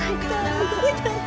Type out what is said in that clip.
動いたね。